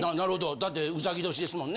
だってうさぎ年ですもんね。